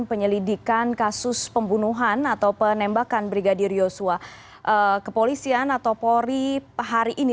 penyelidikan kasus pembunuhan atau penembakan brigadir yosua kepolisian atau polri hari ini